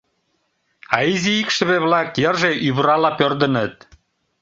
А изи икшыве-влак йырже ӱвырала пӧрдыныт.